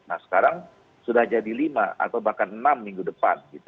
nah sekarang sudah jadi lima atau bahkan enam minggu depan